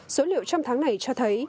số liệu trong tháng này cho thấy